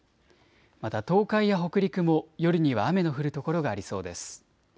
また東海や北陸も夜には雨の降る所がありそうです。